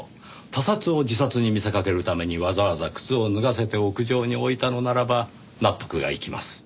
他殺を自殺に見せかけるためにわざわざ靴を脱がせて屋上に置いたのならば納得がいきます。